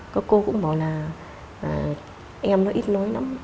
các cô cũng bảo là em nó ít nói lắm